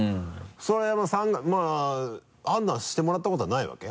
それは判断してもらったことはないわけ？